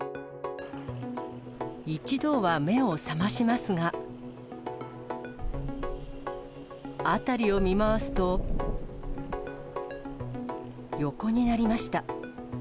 一度は目を覚ましますが、辺りを見回すと、横になりました。